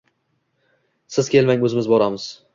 «Siz kelmang, o‘zimiz boramiz!»